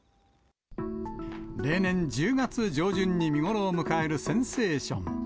例年１０月上旬に見頃を迎えるセンセーション。